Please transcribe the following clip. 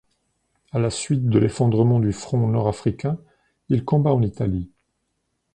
À la suite de l'effondrement du front nord africain, il combat en Italie.